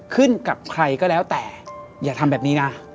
กับใครก็แล้วแต่อย่าทำแบบนี้นะ